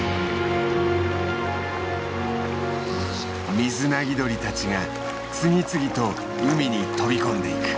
ミズナギドリたちが次々と海に飛び込んでいく。